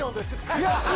悔しい。